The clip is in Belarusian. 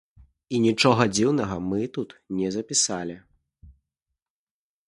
І нічога дзіўнага мы тут не запісалі.